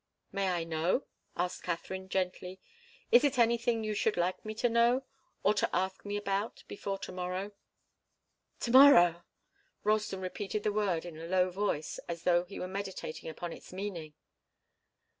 "May I know?" asked Katharine, gently. "Is it anything you should like me to know or to ask me about, before to morrow?" "To morrow!" Ralston repeated the word in a low voice, as though he were meditating upon its meaning.